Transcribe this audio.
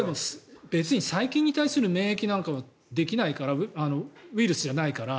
別に細菌に対する免疫なんかはできないからウイルスじゃないから。